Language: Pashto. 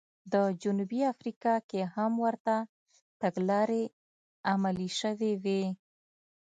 په جنوبي افریقا کې هم ورته تګلارې عملي شوې وې.